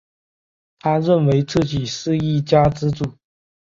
他认为自己是一家之主